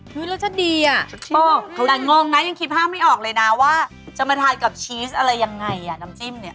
รสชาติดีอ่ะแต่งงนะยังคิดภาพไม่ออกเลยนะว่าจะมาทานกับชีสอะไรยังไงอ่ะน้ำจิ้มเนี่ย